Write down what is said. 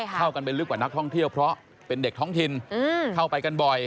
เข้าไปลึกกว่านักท่องเที่ยวเพราะเป็นเด็กท้องถิ่นเข้าไปกันบ่อย